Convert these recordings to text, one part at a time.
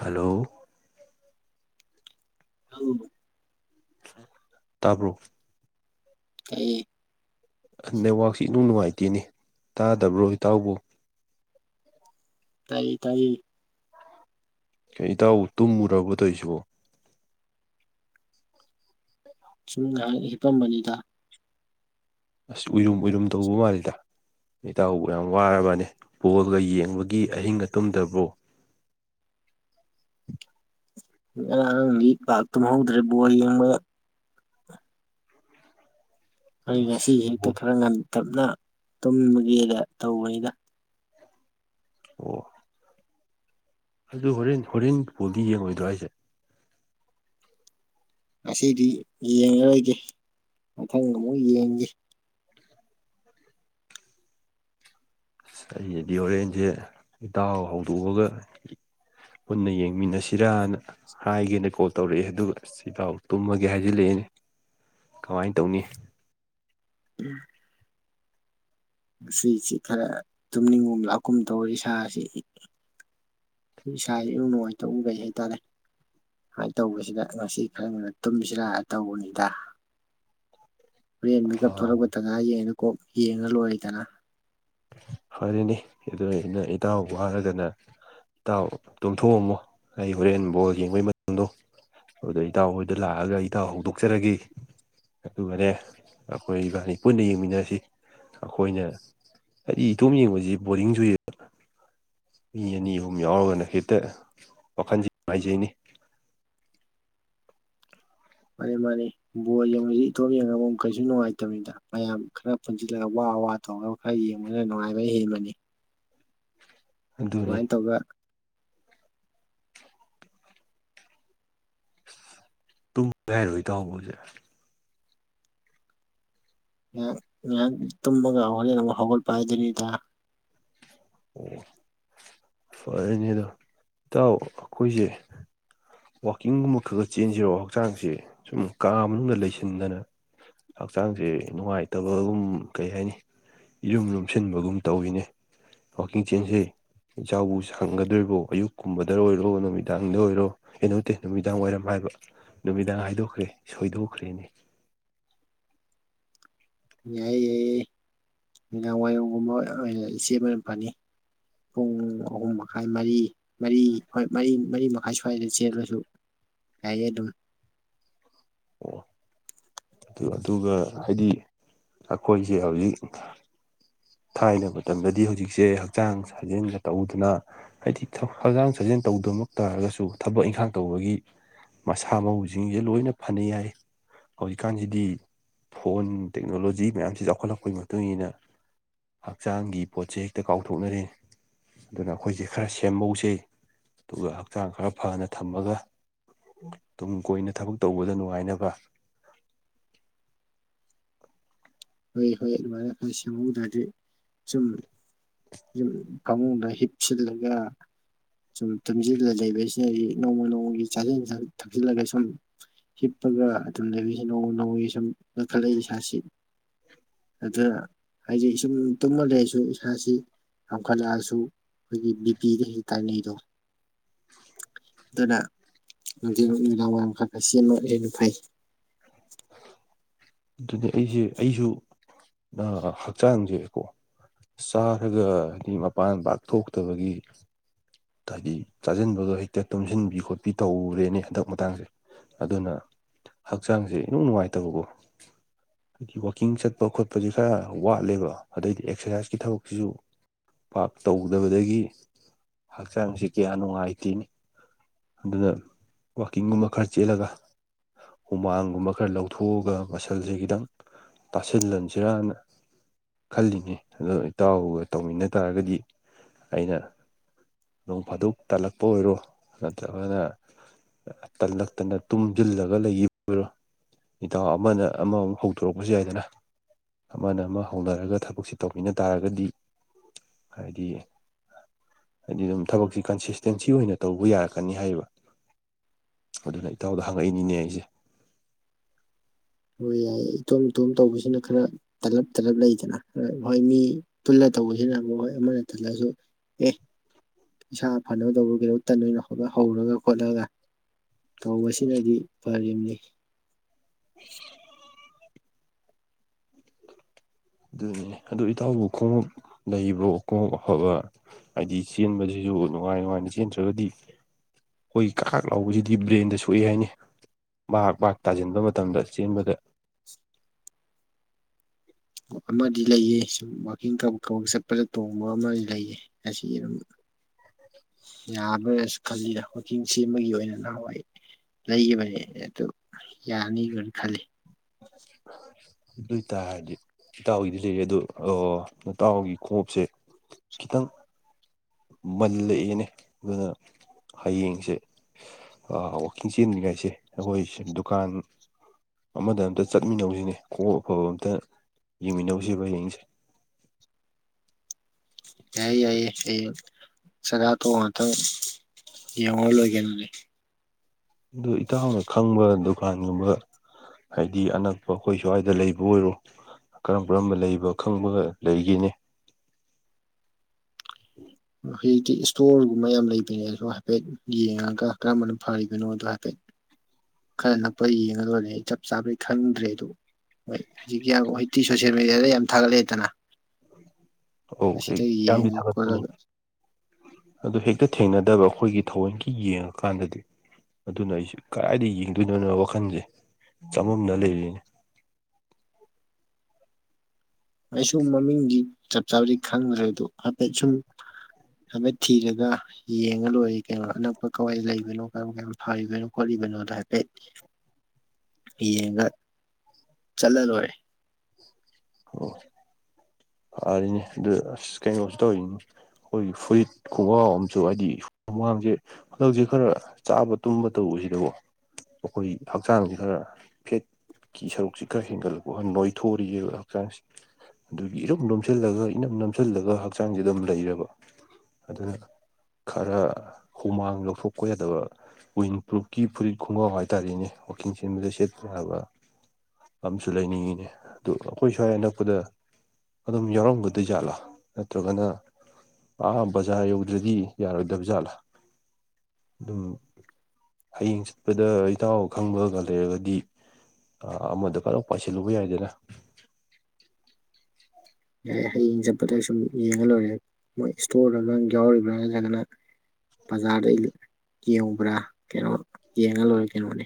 Hello ꯆꯠꯂꯨꯅꯨ ꯇꯥꯕ꯭ꯔꯣ ꯇꯥꯏꯌꯦ ꯅꯦꯠꯋꯥꯛꯁꯤ ꯏꯅꯨꯡ ꯅꯨꯡꯉꯥꯏꯇꯦꯅꯦ ꯇꯥꯗꯕ꯭ꯔꯣ ꯏꯇꯥꯎꯕꫭ ꯇꯥꯏꯌꯦ ꯇꯥꯏꯌꯦ ꯀꯩ ꯏꯇꯥꯎꯕꯨ ꯇꯨꯝꯃꯨꯔꯕꫭ ꯇꯧꯁꯤꯕꫭ ꯁꯨꯝ ꯉꯥꯏꯍꯥꯛ ꯍꯤꯞꯄꯝꯕꯅꯤꯗꯥ ꯑꯁ ꯎꯏꯔꯨꯝ ꯎꯏꯔꯨꯝ ꯇꯧꯕ ꯃꯥꯜꯂꯤꯗ ꯏꯇꯥꯎꯕꯨ ꯌꯥꯝ ꯋꯥꯔꯕꯅꯦ ꯕꯣꯜꯒ ꯌꯦꯡꯕꯒꯤ ꯑꯍꯤꯡꯒ ꯇꯨꯝꯗꯔꯕꯣ ꯉꯔꯥꯡ ꯂꯥꯏꯔꯤꯛ ꯄꯥꯛ ꯇꯨꯝꯍꯧꯗ꯭ꯔꯦ ꯕꯣꯜ ꯌꯦꯡꯕ ꯑꯩ ꯉꯁꯤꯖꯤ ꯍꯦꯛꯇ ꯈꯔ ꯉꯟ ꯇꯛꯅ ꯇꯨꯝꯃꯒꯦꯗ ꯇꯧꯕꯅꯤꯗ ꯑꯣ ꯑꯗꯨ ꯍꯣꯔꯦꯟ ꯍꯣꯔꯦꯟ ꯕꫭꯜꯗꯤ ꯌꯦꯡꯉꯣꯏꯗ꯭ꯔꯣ ꯍꯥꯢꯁꯦ ꯉꯁꯤꯗꯤ ꯌꯦꯡꯉꯔꯣꯏꯒꯦ ꯃꯊꯪ ꯑꯃꯨꯛ ꯌꯦꯡꯒꯦ ꯑꯁ ꯑꯩꯗꯤ ꯍꯣꯔꯦꯟꯖꯦ ꯏꯇꯥꯎ ꯍꯧꯗꯣꯛ ꯑꯒ ꯄꯨꯟꯅ ꯌꯦꯡꯃꯤꯟꯅꯁꯤꯔꯥꯅ ꯍꯥꯏꯒꯦꯅ ꯀꯣꯜ ꯇꯧꯔꯛꯑꯦ ꯑꯗꯨꯒ ꯏꯇꯥꯎꯗꯤ ꯇꯨꯝꯃꯒꯦ ꯍꯥꯏꯖꯤꯜꯂꯛꯑꯅꯦ ꯀꯃꯥꯏ ꯇꯧꯅꯤ ꯎꯝ ꯉꯁꯤꯖꯤ ꯈꯔ ꯇꯨꯝꯅꯤꯡꯒꯨꯝ ꯂꯥꯛꯀꯨꯝ ꯇꯧꯋꯤ ꯏꯁꯥꯁꯤ ꯏꯁꯥꯁꯦ ꯏꯅꯨꯡꯉꯥꯏꯇꯕ ꯂꯩ ꯍꯥꯏꯇꯥꯔꯦ ꯁꯨꯃꯥꯏꯟ ꯇꯧꯕꯁꯤꯗ ꯉꯁꯤ ꯈꯔ ꯉꯟꯅ ꯇꯨꯝꯖꯤꯔꯥ ꯇꯧꯕꯅꯤꯗ ꯍꯣꯔꯦꯟ ꯃꯤꯀꯞ ꯑꯥ ꯊꯣꯛꯂꯛꯄ ꯊꯟꯖ ꯌꯦꯡꯗ ꯀꯣꯛ ꯌꯦꯡꯉ ꯂꯣꯏꯔꯦꯗꯅ ꯐꯥꯔꯦꯅꯦ ꯑꯗꯨ ꯑꯗꯨ ꯏꯇꯥꯎꯕꯨ ꯍꯥꯏꯔꯒꯅ ꯏꯇꯥꯎ ꯇꯨꯝꯊꯣꯛꯑꯝꯃꯣ ꯑꯩ ꯍꯣꯔꯦꯟ ꯕꯣꯜ ꯌꯦꯡꯕꯩ ꯃꯇꯝꯗꯣ ꯑꯗꯨꯎ ꯏꯇꯥꯎꯍꯣꯏꯗ ꯂꯥꯛꯑꯒ ꯏꯇꯥꯎ ꯍꯧꯗꯣꯛꯆꯔꯒꯦ ꯑꯗꯨꯒꯅꯦ ꯑꯩꯈꯣꯏ ꯏꯕꯥꯅꯤ ꯄꯨꯟꯅ ꯌꯦꯡꯃꯤꯟꯅꯁꯤ ꯑꯩꯈꯣꯏꯅ ꯑꯩꯗꯤ ꯏꯇꯣꯝ ꯌꯦꯡꯕꯁꯤ ꯕꯣꯔꯤꯡ ꯆꯨꯏꯌꯦꯕ ꯃꯤ ꯑꯅꯤ ꯑꯍꯨꯝ ꯌꯥꯎꯔꯒꯅ ꯍꯦꯛꯇ ꯋꯥꯈꯜꯖꯤ ꯅꯨꯡꯉꯥꯏꯖꯩꯅꯦ ꯃꯥꯅꯤ ꯃꯥꯅꯤ ꯕꯣꯜ ꯌꯦꯡꯕꯁꯤ ꯏꯇꯣꯟ ꯌꯦꯡꯉꯕ ꯀꯩꯁꯨ ꯅꯨꯡꯉꯥꯏꯇꯕꯅꯤꯗ ꯃꯌꯥꯝ ꯈꯔ ꯄꯨꯟꯁꯤꯜꯂꯒ ꯋꯥꯋꯥ ꯇꯣꯅꯕ ꯈꯔ ꯌꯦꯡꯕꯅ ꯅꯨꯡꯉꯥꯏꯕ ꯍꯦꯟꯕꯅꯤ ꯑꯗꯨꯅꯤ ꯁꯨꯃꯥꯏꯟ ꯇꯧꯕ ꯇꯨꯝꯃꯒꯦ ꯍꯥꯏꯔꯣ ꯏꯇꯥꯎꯕꯨ ꯍꯧꯖꯤꯛ ꯉꯥꯏꯍꯥꯛ ꯉꯥꯏꯍꯥꯛ ꯇꯨꯝꯃꯒ ꯍꯣꯔꯦꯟ ꯑꯃꯨꯛ ꯍꯧꯒꯠꯄ ꯍꯥꯏꯗꯨꯅꯤꯗ ꯑꯣ ꯐꯔꯦꯅꯦ ꯑꯗꯣ ꯏꯇꯥꯎ ꯑꯩꯈꯣꯏꯖꯦ ꯋꯥꯛꯀꯤꯡꯒꯨꯝꯕ ꯈꯒ ꯆꯦꯟꯖꯤꯔꫭ ꯍꯛꯆꯥꯡꯁꯦ ꯁꯨꯝ ꯀꯥ ꯃꯅꯨꯡꯗ ꯂꯩꯁꯤꯟꯗꯅ ꯍꯛꯆꯥꯡꯖꯦ ꯅꯨꯡꯉꯥꯏꯇꯕꯒꯨꯝ ꯀꯩ ꯍꯥꯏꯅꯤ ꯌꯨꯝ ꯂꯨꯝꯁꯤꯟꯕꯒꯨꯝ ꯇꯧꯋꯤꯅꯦ ꯋꯥꯛꯀꯤꯡ ꯆꯦꯟꯁꯦ ꯏꯇꯥꯎꯕꯨ ꯁꯪꯒꯗꯣꯏꯔꯤꯕꯣ ꯑꯌꯨꯛꯀꯨꯝꯕꯗ ꯑꯣꯏꯔꯣ ꯅꯨꯃꯤꯗꯥꯡꯗ ꯑꯣꯏꯔꯣ ꯀꯩꯅꯣꯇꯦ ꯅꯨꯃꯤꯗꯥꯡ ꯋꯥꯏꯔꯝ ꯍꯥꯏꯕ ꯅꯨꯃꯤꯗꯥꯡ ꯍꯥꯏꯗꯣꯛꯈ꯭ꯔꯦ ꯁꯣꯏꯗꯣꯛꯈ꯭ꯔꯦꯅꯦ ꯌꯥꯏ ꯌꯥꯏꯌꯦ ꯅꯨꯃꯤꯗꯥꯡ ꯋꯥꯏꯔꯝꯒꯨꯝꯕ ꯑꯣꯏꯅ ꯆꯦꯟꯕꯅ ꯐꯅꯤ ꯄꯨꯡ ꯑꯍꯨꯝ ꯃꯈꯥꯏ ꯃꯔꯤ ꯃꯔꯤ ꯍꯣꯏ ꯃꯔꯤ ꯃꯔꯤ ꯃꯈꯥꯏ ꯁꯨꯋꯥꯏꯗ ꯆꯦꯜꯂꯁꯨ ꯌꯥꯏꯌꯦ ꯑꯗꯨꯝ ꯑꯣ ꯑꯗꯨ ꯑꯗꯨꯒ ꯍꯥꯏꯗꯤ ꯑꯩꯈꯣꯏꯖꯦ ꯍꯧꯖꯤꯛ ꯊꯥꯏꯅ ꯃꯇꯝꯗꯗꯤ ꯍꯧꯖꯤꯛꯁꯦ ꯍꯛꯆꯥꯡ ꯁꯥꯖꯦꯜꯒ ꯇꯧꯗꯅ ꯍꯥꯏꯗꯤ ꯍꯛꯆꯥꯡ ꯁꯥꯖꯦꯜ ꯇꯧꯗꯃꯛ ꯇꯥꯔꯒꯁꯨ ꯊꯕꯛ ꯏꯪꯈꯥꯡ ꯇꯧꯕꯒꯤ ꯃꯁꯥ ꯃꯎꯁꯤꯡꯁꯦ ꯂꯣꯏꯅ ꯐꯅ ꯌꯥꯏ ꯍꯧꯖꯤꯛꯀꯥꯟꯁꯤꯗꯤ ꯐꯣꯟ ꯇꯦꯛꯅꯣꯂꯣꯖꯤ ꯃꯌꯥꯝꯁꯤ ꯆꯥꯎꯈꯠꯂꯛꯄꯒꯤ ꯃꯇꯨꯡ ꯏꯟꯅ ꯍꯛꯆꯥꯡꯒꯤ ꯄꯣꯠꯁꯦ ꯍꯦꯛꯇ ꯀꯥꯎꯊꯣꯛꯅꯔꯤꯦ ꯑꯗꯨꯅ ꯑꯩꯈꯣꯏꯁꯦ ꯈꯔ ꯁꯦꯝꯍꯧꯖꯩ ꯑꯗꯨꯒ ꯍꯛꯆꯥꯡ ꯈꯔ ꯐꯅ ꯊꯝꯃꯒ ꯇꯨꯡ ꯀꯣꯏꯅ ꯊꯕꯛ ꯇꯧꯕꯗ ꯅꯨꯡꯉꯥꯏꯅꯕ ꯍꯣꯏ ꯍꯣꯏ ꯑꯗꯨꯃꯥꯏꯅ ꯑꯩꯣꯏ ꯁꯦꯝꯍꯧꯗ꯭ꯔꯗꯤ ꯁꯨꯝ ꯌꯨꯝ ꯐꯃꯨꯡꯗ ꯍꯤꯞꯁꯤꯜꯂꯒ ꯁꯨꯝ ꯇꯨꯝꯖꯤꯜꯂ ꯂꯩꯕꯁꯤꯅꯗꯒꯤ ꯅꯣꯡꯃ ꯅꯣꯡꯃꯒꯤ ꯆꯥꯁꯤꯟ ꯊꯛꯆꯜꯂꯒ ꯁꯨꯝ ꯍꯤꯠꯄꯒ ꯑꯗꯨꯝ ꯂꯩꯕꯤꯁ ꯅꯣꯡ ꯅꯣꯡꯃꯒꯤ ꯁꯨꯝ ꯀꯪꯈꯠꯂꯛꯏ ꯏꯁꯥꯁꯤ ꯑꯗꯨꯗ ꯍꯥꯏꯗꯤ ꯁꯨꯝ ꯇꯨꯝꯃꯜ ꯂꯩꯔꯁꯨ ꯏꯁꯥꯁꯤ ꯌꯥꯝꯈꯠꯂꯛꯑꯁꯨ ꯑꯩꯈꯣꯏꯒꯤ ꯕꯤꯄꯤꯤꯗ ꯇꯥꯏꯅꯩꯗꯣ ꯑꯗꯨꯅ ꯅꯨꯡ ꯅꯨꯃꯤꯗꯥꯡ ꯋꯥꯏꯔꯝ ꯈꯔ ꯈꯁꯤꯃꯛ ꯍꯦꯟꯅ ꯐꯩ ꯑꯗꯨꯅꯦ ꯑꯩꯁꯦ ꯑꯩꯁꯨ ꯍꯛꯆꯥꯡꯁꯦꯀꯣ ꯆꯥꯔꯒꯗꯤ ꯃꯄꯥꯟ ꯄꯥꯛꯊꯣꯛꯇꯕꯒꯤ ꯍꯥꯏꯗꯤ ꯆꯥꯁꯤꯟꯕꯗꯣ ꯍꯦꯛꯇ ꯇꯨꯝꯁꯤꯟꯕꯤ ꯈꯣꯠꯄꯤ ꯇꯧꯔꯦꯅꯦ ꯍꯟꯗꯛ ꯃꯇꯥꯡꯁꯦ ꯑꯗꯨꯅ ꯍꯛꯆꯥꯡꯁꯦ ꯏꯅꯨꯡ ꯅꯨꯡꯉꯥꯏꯇꯕꯀꯣ ꯍꯥꯏꯗꯤ ꯋꯥꯋꯀꯤꯡ ꯆꯠꯄ ꯈꯣꯠꯄꯁꯨ ꯈꯔ ꯋꯥꯠꯂꯦꯕ ꯑꯗꯩꯗꯤ ꯑꯦꯛꯁꯔꯁꯥꯏꯁꯀꯤ ꯊꯕꯛꯁꯤꯁꯨ ꯄꯥꯥꯛ ꯇꯧꯗꯕꯗꯒꯤ ꯍꯛꯆꯥꯡꯁꯤ ꯀꯌꯥ ꯅꯨꯡꯉꯥꯏꯇꯦꯅꯤ ꯑꯗꯨꯅ ꯋꯥꯛꯀꯤꯡꯒꯨꯝꯕ ꯈꯔ ꯆꯦꯜꯂꯒ ꯍꯨꯃꯥꯡꯒꯨꯝꯕ ꯈꯔ ꯂꯧꯊꯣꯛꯑꯒ ꯃꯁꯜꯁꯦ ꯈꯤꯇꯪ ꯇꯁꯤꯜꯍꯟꯁꯤꯔꯅ ꯈꯜꯂꯤꯅꯤ ꯑ ꯏꯇꯥꯎꯒ ꯇꯧꯃꯤꯟꯅ ꯇꯥꯔꯒꯗꯤ ꯑꯩꯅ ꯅꯣꯡ ꯐꯥꯗꯣꯛ ꯇꯥꯜꯂꯛꯄ ꯑꯣꯏꯔꯣ ꯅꯠꯇ꯭ꯔꯒꯅ ꯇꯜꯂꯛꯇꯅ ꯇꯨꯝꯁꯤꯜꯂꯒ ꯂꯩꯔꯣ ꯍꯗꯥꯛ ꯑꯃꯅ ꯑꯃꯃꯨꯛ ꯍꯧꯗꯣꯔꯛꯄꯁꯨ ꯌꯥꯏꯗꯅ ꯑꯃꯅ ꯑꯃ ꯍꯧꯅꯔꯒ ꯊꯕꯛꯁꯦ ꯇꯧꯃꯤꯟꯅ ꯇꯥꯔꯒꯗꯤ ꯍꯥꯏꯗꯤ ꯍꯥꯏꯗꯤ ꯑꯗꯨꯝ ꯊꯕꯛꯁꯤ ꯀꯟꯁꯤꯁꯇꯦꯟꯁꯤ ꯑꯣꯏꯅ ꯇꯧꯕ ꯌꯥꯔꯛꯀꯅꯤ ꯍꯥꯏꯌꯦꯕ ꯑꯗꯨꯅ ꯏꯇꯥꯎꯗ ꯍꯪꯉꯛꯏꯅꯤꯅꯦ ꯑꯩꯁꯦ ꯍꯣꯏ ꯌꯥꯏ ꯏꯇꯣꯝ ꯏꯇꯣꯝ ꯇꯧꯕꯁꯤꯅ ꯈꯔ ꯇꯜꯂꯞ ꯇꯜꯂꯞ ꯂꯩꯗꯅ ꯍꯣꯏ ꯃꯤ ꯄꯨꯜꯂ ꯇꯧꯕꯁꯤꯅꯣꯏ ꯑꯃꯅ ꯇꯜꯂꯁꯨ ꯑꯦ ꯏꯁꯥ ꯐꯅꯕ ꯇꯧꯕ ꯀꯩꯩꯅꯣꯇ ꯑꯣꯏꯅ ꯍꯧꯔꯒ ꯈꯣꯠꯂꯒ ꯇꯧꯕꯁꯤꯅꯗꯤ ꯐꯅꯤ [unintelligible] ꯑꯗꯨꯅꯤꯅꯦ ꯑꯗꯨ ꯏꯇꯥꯎꯕꯨ ꯈꯣꯡꯎꯞ ꯂꯩꯕ꯭ꯔꯣ ꯈꯣꯡꯎꯞ ꯑꯐꯕ ꯍꯥꯏꯗꯤ ꯆꯦꯟꯕꯁꯤꯁꯨ ꯅꯨꯡꯉꯥꯏ ꯅꯨꯡꯉꯥꯏꯅ ꯆꯦꯟꯗ꯭ꯔꯒꯗꯤ ꯑꯩꯈꯣꯏꯒꯤ ꯀꯥꯥꯛ ꯂꯧꯕꯁꯤꯗꯤ ꯕ꯭ꯔꯦꯟꯗ ꯁꯣꯛꯑꯦ ꯍꯥꯏꯅꯤ ꯃꯍꯥꯛ ꯇꯥꯁꯤꯟꯕ ꯃꯇꯝꯗ ꯆꯦꯟꯕꯗ ꯑꯃꯗꯤ ꯂꯩꯌꯦ ꯁꯨꯝ ꯋꯥꯛꯀꯤꯡ ꯆꯠꯄꯗ ꯇꯣꯡꯕ ꯑꯃꯗꯤ ꯂꯩꯌꯦ ꯈꯁꯤꯔꯝ ꯌꯥꯕ꯭ꯔꯁꯨ ꯈꯜꯂꯤꯗ ꯍꯋꯥꯛꯀꯤꯡ ꯁꯦꯝꯕꯒꯤ ꯑꯣꯏꯅ ꯅ ꯍꯣꯏ ꯂꯩꯈꯤꯕꯅꯦ ꯑꯗꯨ ꯌꯥꯅꯤꯒꯅ ꯈꯜꯂꯤ ꯑꯗꯨ ꯇ ꯍꯥꯏꯗꯤ ꯏꯇꯥꯎꯒꯤꯗꯤ ꯂꯩꯔꯦ ꯑꯗꯣ ꯏꯇꯥꯎꯒꯤ ꯈꯣꯞꯁꯦ ꯈꯤꯇꯪ ꯃꯜꯂꯛꯑꯦꯅꯦ ꯑꯗꯨꯅ ꯍꯌꯦꯡꯁꯦ ꯋꯥꯛꯀꯤꯡ ꯆꯦꯟꯗ꯭ꯔꯤꯉꯥꯏꯁꯦ ꯑꯩꯈꯣꯏ ꯗꯨꯀꯥꯟ ꯑꯃꯗ ꯑꯝꯇ ꯆꯠꯃꯤꯟꯅꯧꯁꯤꯅꯦ ꯈꯨꯃꯨꯛꯛ ꯑꯐꯕ ꯑꯝꯇ ꯌꯦꯡꯃꯤꯟꯅꯧꯁꯤꯕ ꯍꯌꯦꯡꯁꯦ ꯌꯥꯏꯌꯦ ꯌꯥꯏꯌꯦ ꯑꯩ ꯆꯒꯥꯥ ꯇꯣꯡ ꯉꯥꯛꯇꯪ ꯌꯦꯡꯉ ꯂꯣꯏꯒꯦꯅꯅꯦ ꯑꯗꯨ ꯏꯇꯥꯎꯅ ꯈꯪꯕ ꯗꯨꯀꯥꯟꯒꯨꯝꯕ ꯍꯥꯏꯗꯤ ꯑꯅꯛꯄ ꯑꯩꯈꯣꯏ ꯁ꯭ꯋꯥꯏꯗ ꯂꯩꯕ ꯑꯣꯏꯔꯣ ꯀꯔꯝ ꯀꯔꯝꯕ ꯂꯩꯕ ꯈꯪꯕꯒ ꯂꯩꯒꯦꯅꯦ꯫ ꯍꯧꯖꯤꯛꯇꯤ ꯏꯁꯇꯣꯔꯒꯨꯝꯕ ꯌꯥꯝ ꯂꯩꯕ꯭ꯔꯤꯅꯦ ꯑꯁꯨ ꯍꯥꯏꯐꯦꯠ ꯌꯦꯡꯉꯒ ꯀꯔꯝꯕꯅ ꯐꯔꯤꯕꯅꯣꯗꯣ ꯍꯥꯏꯐꯦꯠ ꯈꯔ ꯅꯛꯄ ꯌꯦꯡꯉ ꯂꯣꯏꯔꯦ ꯑꯩ ꯆꯞ ꯆꯥꯕꯩ ꯈꯪꯗ꯭ꯔꯦ ꯑꯗꯨ꯫ ꯍꯣꯏ ꯍꯧꯖꯤꯛ ꯌꯥꯝ ꯍꯧꯖꯤꯛꯇꯤ ꯁꯣꯁꯦꯜ ꯃꯦꯗꯤꯌꯥꯗ ꯌꯥꯝ ꯊꯥꯒꯠꯂꯛꯦꯗꯅ꯫ ꯑꯧ ꯑꯁꯤꯗ ꯍꯦꯛ ꯌꯥꯝꯗꯤ ꯌꯦꯡꯉ ꯊꯥꯒꯠꯄꯅꯦ ꯈꯣꯠꯂꯒ ꯑꯗꯨ ꯍꯦꯛꯇ ꯊꯦꯡꯅꯗꯕ ꯑꯩꯈꯣꯏꯒꯤ ꯊꯑꯣꯟꯒꯤ ꯌꯦꯡꯉꯀꯥꯟꯗꯗꯤ꯫ ꯑꯗꯨꯅ ꯑꯩꯁꯨ ꯀꯗꯥꯏꯗ ꯌꯦꯡꯗꯣꯏꯅꯣꯅꯣ ꯋꯥꯈꯜꯁꯦ ꯆꯃꯝꯅ ꯂꯩꯔꯤꯅꯤ꯫ ꯑꯩꯁꯨ ꯃꯃꯤꯡꯗꯤ ꯆꯞ ꯆꯥꯕꯗꯤ ꯈꯪꯗ꯭ꯔꯦꯗꫭ ꯍꯥꯏꯐꯦꯠ ꯁꯨꯝ ꯍꯥꯏꯐꯦꯠ ꯊꯤꯔꯒ ꯌꯦꯡꯉ ꯂꯣꯏꯔꯦ ꯀꯩꯅꯣ ꯑꯅꯛꯄ ꯀꯋꯥꯏꯗ ꯂꯩꯕꯅꯣ ꯀꯔ ꯀꯩꯝ ꯐꯥꯔꯤꯕꯅꯣ ꯈꯣꯠꯂꯤꯕꯅꯣꯗꯣ ꯍꯥꯏꯐꯦꯠ꯫ ꯌꯦꯡꯒ ꯆꯠꯂ ꯂꯣꯏꯔꯦ꯫ ꯑꯣ ꯐꯔꯦꯅꯦ ꯑꯗꯨ ꯑꯁ ꯀꯩꯅꯣꯁꯨ ꯇꯧꯏꯅꯤ꯫ ꯈꯣꯏꯒꯤ ꯐꯨꯔꯤꯠ ꯈꯣꯡꯒꯥꯎ ꯑꯃꯁꯝꯨ ꯍꯥꯏꯗꯤ ꯍꯨꯃꯥꯡꯁꯦ ꯍꯟꯗꯛꯁꯤ ꯈꯔ ꯆꯥꯕ ꯇꯨꯝꯕ ꯇꯧꯕꯁꯤꯗꯀꫭ ꯑꯩꯈꯣꯏ ꯍꯛꯆꯥꯡꯁꯤ ꯈꯔ ꯐꯦꯠꯀꯤ ꯁꯔꯨꯛꯁꯤ ꯈꯔ ꯍꯦꯟꯒꯠꯂꯛꯄꯍ ꯅꯣꯏ ꯊꯣꯔꯛꯏꯕ꯫ ꯍꯛꯆꯥꯡꯁꯤ ꯑꯗꯨꯒꯤ ꯏꯔꯨꯝ ꯅꯣꯝꯁꯤꯜꯂꯒ ꯏꯅꯝ ꯅꯝꯁꯤꯜꯂꯒ ꯍꯛꯆꯥꯡꯁꯤ ꯑꯗꯨꯝ ꯂꯩꯔꯕ꯫ ꯑꯗꯨꯅ ꯈꯔ ꯍꯨꯃꯥꯡ ꯂꯧꯊꯣꯛꯄ ꯌꯥꯗꯕ ꯋꯤꯟ ꯄ꯭ꯔꯨꯞꯀꯤ ꯐꯨꯔꯤꯠ ꯈꯣꯡꯒꯥꯎ ꯍꯥꯏꯇꯥꯥꯔꯦꯅꯦ ꯋꯀꯤꯡ ꯆꯦꯟꯕꯗ ꯁꯦꯠꯄ ꯌꯥꯕ꯫ ꯑꯃꯁꯨ ꯂꯩꯅꯤꯡꯉꯤꯅꯦ ꯑꯗꯨ ꯑꯩꯈꯣꯏ ꯁ꯭ꯋꯥꯏ ꯑꯅꯛꯄꯗ ꯑꯗꯨꯝ ꯌꯥꯎꯔꯝꯒꯗꯨꯏ ꯖꯥꯠꯂꯥ ꯅꯠꯇ꯭ꯔꯒꯅ ꯑꯥ ꯕꯖꯥꯔ ꯌꯧꯗ꯭ꯔꯗꯤ ꯌꯥꯔꯣꯏꯗꯕꯖꯥꯠꯂꯥ ꯑꯗꯨꯝ ꯍꯌꯦꯡ ꯆꯠꯄꯗ ꯏꯇꯥꯎ ꯈꯪꯕꯒ ꯂꯩꯔꯒꯗꯤ ꯑ ꯑꯃꯗ ꯐꯥꯠ ꯂꯧ ꯄꯥꯏꯁꯤꯜꯂꯨꯕ ꯌꯥꯏꯗꯅ꯫ ꯌꯥꯏ-ꯌꯥꯏ ꯍꯌꯦꯡ ꯆꯠꯄꯗ ꯁꯨꯝ ꯌꯦꯡꯉ ꯂꯣꯏꯔꯦ ꯃꯣꯏ ꯏꯁꯇꯣꯔ ꯗꯒ ꯌꯥꯎꯔꯤꯕ꯭ꯔꯥ ꯅꯠꯇ꯭ꯔꯒꯅ ꯕꯖꯥꯔꯗꯩ ꯌꯦꯡꯉꯨꯕ꯭ꯔꯥ ꯀꯩꯅꯣ ꯌꯦꯡꯉ ꯂꯣꯏꯔꯦ ꯀꯩꯅꯣꯅꯦ꯫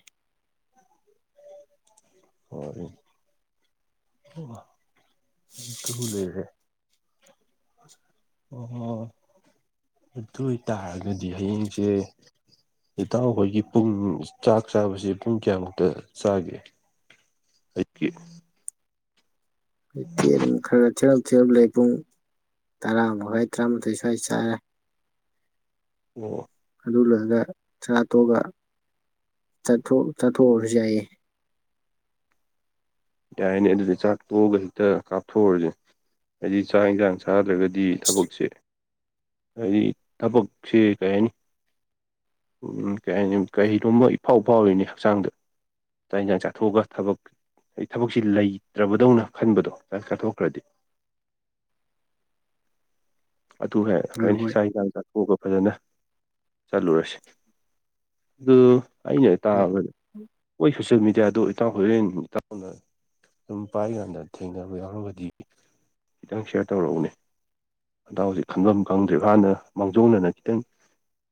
[inaudible] [unintelligible] ꯑꯗꯨ ꯑꯣꯏꯇꯥꯔꯒꯗꯤ ꯍꯌꯦꯡꯁꯦ ꯏꯇꯥꯎꯈꯣꯏꯒꯤ ꯄꯨꯡ ꯆꯥꯛ ꯆꯥꯕꯁꯦ ꯄꯨꯡ ꯀꯌꯥꯃꯨꯛꯇ ꯆꯥꯒꯦ꯫ [inaudible] ꯍꯧꯖꯤꯛꯇꯤ ꯑꯗꯨꯝ ꯈꯔ ꯈꯔ ꯊꯤꯔꯞ ꯊꯤꯔꯞ ꯂꯩ ꯄꯨꯡ ꯇꯔꯥ ꯃꯈꯥꯏ ꯇꯔꯥꯃꯥꯊꯣꯏ ꯁ꯭ꯋꯥꯏ ꯆꯥꯏꯔꯦ꯫ ꯑꯣ꯫ ꯑꯗꯨꯂꯣꯏꯔꯒ ꯆꯠꯇꯣꯛꯑꯒ ꯆꯊꫭꯛ ꯆꯠꯊꯣꯛꯎꯔꯁꯨ ꯌꯥꯏꯌꯦ꯫ ꯌꯥꯏꯅꯦ ꯑꯗꯨꯗꯤ ꯆꯥꯛ ꯇꯣꯛꯑꯒ ꯍꯦꯛꯇ ꯀꯥꯞꯊꯣꯛꯎꯔꯁꯦ ꯍꯥꯏꯗꯤ ꯆꯥꯛ ꯌꯦꯟꯁꯥꯡ ꯆꯥꯗ꯭ꯔꯒ ꯗꯤ ꯊꯕꯛꯁꯦ ꯍꯥꯏꯗꯤ ꯊꯕꯛꯁꯦ ꯀꯩ ꯍꯥꯏꯅꯤ ꯎꯝ ꯀꯩ ꯍꯥꯏꯅꯤ ꯀꯩꯒꯨꯝꯕ ꯏꯐꯥꯎ ꯐꯥꯎꯔꯤꯅꯤ ꯍꯛꯆꯥꯡꯗ꯫ ꯆꯥꯛ ꯏꯟꯁꯥꯡ ꯆꯊꯣꯛꯑꯒ ꯊꯕꯛ ꯑꯩ ꯊꯕꯛꯁꯤ ꯂꯩꯇ꯭ꯔꯕꯗꯧꯅ ꯈꯟꯕꯗꯣ ꯆꯥꯛ ꯆꯥꯊꯣꯛꯈ꯭ꯔꯗꯤ꯫ ꯑꯗꯨ ꯍꯩ ꯍꯣꯏ ꯍꫭꯏꯅ ꯍꯣꯏ ꯆꯥꯛ ꯏꯟꯁꯥꯡ ꯆꯥꯊꯣꯛꯑꯒ ꯐꯖꯅ ꯆꯠꯂꯨꯔꯁꯤ꯫ ꯎꯝꯨ ꯑꯩꯅ ꯇꯥꯕꯗ ꯃꯣꯏ ꯁꯣꯁꯦꯜ ꯃꯦꯗꯤꯌꯥꯗꫭ ꯏꯇꯥꯎ ꯍꯣꯔꯦꯟ ꯏꯇꯥꯎꯅ ꯑꯗꯨꯨꯝ ꯄꯥꯏꯔꯤꯀꯥꯟꯗ ꯊꯦꯡꯅꯕ ꯌꯥꯎꯔꯒꯗꯤ ꯈꯤꯇꯪ ꯁꯤꯌꯥꯔ ꯇꯧꯔꯛꯎꯅꯦ꯫ ꯅꯇꯥꯎꯖꯦ ꯈꯟꯕꯝ ꯈꯪꯗ꯭ꯔꯤꯕ ꯍꯥꯟꯅ ꯃꯥꯡꯖꯧꯅꯅꯥ ꯈꯤꯇꯪ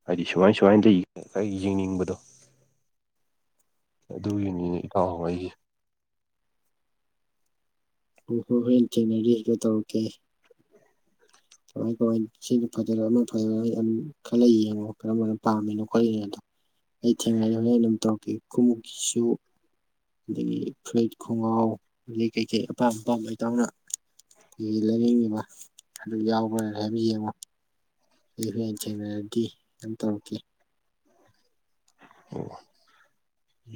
ꯍꯥꯏꯗꯤ ꯁꯨꯃꯥꯏ ꯁꯨꯃꯥꯏꯅ ꯗꯩ ꯑꯩ ꯌꯦꯡꯅꯤꯡꯕꯗꯣ꯫ ꯑꯗꯨꯒꯤꯅꯤꯅꯦ ꯏꯇꯥꯎ ꯑꯩ [inaudible] [inaudible] [inaudible] ꯈꯜꯂꯥ ꯌꯦꯡꯉꯣ ꯀꯔꯝꯕꯅ ꯄꯥꯝꯃꯤꯅꯣ ꯈꯣꯠꯂꯤꯅꯣꯗꯣ꯫ ꯑꯩ ꯊꯦꯡꯅꯔꯗꯤ ꯍꯣꯔꯦꯟ ꯑꯗꯨꯝ ꯇꯧꯔꯛꯀꯦ ꯈꯣꯡꯎꯞꯀꯤꯁꯨ ꯑꯗꯒꯤ ꯐ꯭ꯔꯨꯠ ꯈꯣꯡꯒꯥꯎ ꯑꯩ ꯀꯩꯀꯩ ꯑꯄꯥꯝ ꯑꯄꯥꯝꯕ ꯏꯇꯥꯎꯅ ꯀꯩ ꯂꯩꯅꯤꯡꯉꯤꯕ ꯑꯗꯨ ꯌꯥꯎꯕꯔꯥꯅ [unintelligible] ꯌꯦꯡꯉꯣ ꯑꯩ ꯍꯣꯔꯦꯟ ꯊꯦꯡꯅꯔꯗꯤ ꯑꯗꯨꯝ ꯇꯧꯔꯛꯀꯦ ꯑꯣ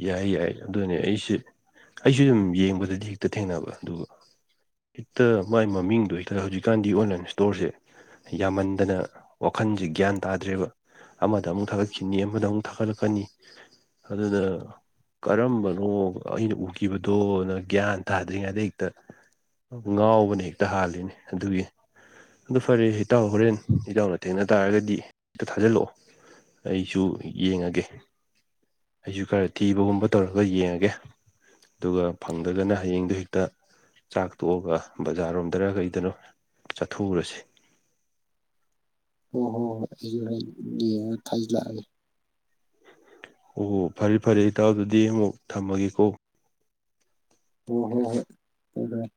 ꯌꯥꯏ ꯌꯥꯏ ꯑꯗꯨꯅꯦ ꯑꯩꯁꯦ ꯑꯩꯁꯨ ꯑꯗꯨꯝ ꯌꯦꯡꯕꯗꯥꯗꯤ ꯍꯦꯛꯇ ꯊꯦꯡꯅꯕ ꯑꯗꯨꯒ ꯍꯦꯛꯇꯥ ꯃꯥꯏ ꯃꯃꯤꯡꯗꯣ ꯍꯦꯛꯇꯥ ꯍꯧꯖꯤꯛꯀꯥꯟꯗꯤ ꯑꯣꯟꯂꯥꯏꯟ ꯏꯁꯇꯣꯔꯁꯦ ꯌꯥꯝꯃꯟꯗꯅ ꯋꯥꯈꯟꯁꯤ ꯒ꯭ꯌꯥꯟ ꯇꯥꯗ꯭ꯔꯦꯕ ꯑꯃꯗ ꯑꯃꯨꯛ ꯊꯥꯒꯠꯈꯤꯅꯤ ꯑꯃꯗ ꯑꯃꯨꯛ ꯊꯥꯒꯠꯂꯛ ꯐꯥꯅꯤ ꯑꯗꯨꯅ ꯀꯔꯝꯕꯅꯣ ꯑꯩꯅ ꯎꯈꯤꯕꯗꯣꯅ ꯒ꯭ꯌꯥꯟ ꯇꯥꯗ꯭ꯔꯤꯉꯩꯗ ꯍꯦꯛꯇꯥ ꯉꯥꯎꯕꯅ ꯍꯦꯛꯇ ꯍꯥꯜꯂꯤꯅꯦ ꯑꯗꯨꯒꯤ ꯑꯗꯨ ꯐꯔꯦ ꯏꯇꯥꯎ ꯍꯣꯔꯦꯟ ꯏꯇꯥꯎꯅ ꯊꯦꯡꯅ ꯇꯥꯔꯒꯗꯤ ꯑꯝꯇ ꯊꯥꯖꯤꯜꯂꯛꯑꯣ ꯑꯩꯁꯨ ꯌꯦꯡꯉꯥꯒꯦ ꯑꯩꯁꯨ ꯈꯔ ꯊꯤꯕ ꯍꯨꯝꯕ ꯇꯧꯔꯒ ꯌꯦꯡꯉꯥꯒꯦ ꯑꯗꯨꯒ ꯐꯪꯗꯔꯒꯅ ꯍꯌꯦꯡꯗꯣ ꯍꯦꯛꯇ ꯆꯥꯛ ꯇꯣꯛꯑꯒ ꯕꯖꯥꯔꯣꯝꯗꯔꯥ ꯀꯩꯗꯅꯣ ꯆꯠꯊꯣꯛꯎꯔꯥꯁꯤ ꯍꯣꯏ ꯍꯣꯏ ꯍꯣꯏ ꯑꯩꯁꯨ ꯍꯣꯔꯦꯟ ꯌꯦꯡꯉꯒ ꯊꯥꯖꯤꯜꯂꯛꯑꯒꯦ ꯑꯣ ꯐꯔꯦ ꯐꯔꯦ ꯏꯇꯥꯎ ꯑꯗꯨꯗꯤ ꯑꯃꯨꯛ ꯊꯝꯃꯒꯦꯀꯣ ꯑꯣ ꯍꯣ ꯍꯣꯏ ꯍꯣꯏ ꯍꯣꯏ